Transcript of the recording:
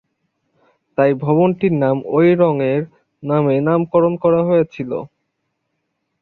তাই ভবনটির নাম ঐ রংয়ের নামে নামকরণ করা হয়েছিল।